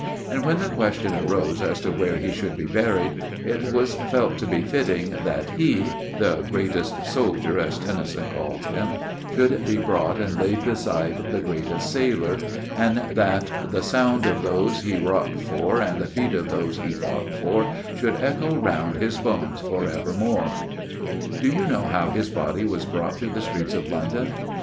And when the question arose as to where he should be buried, it was felt to be fitting that he 'The Greatest Soldier,' as Tennyson calls him should be brought and laid beside 'The Greatest Sailor,' and that the 'Sound of those he wrought for, And the feet of those he fought for,' Should 'Echo round his bones for evermore.' Do you know how his body was brought through the streets of London?